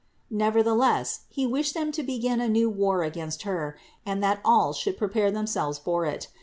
Neverthe less, he wished them to begin a new war against Her, and that all should prepare themselves for it.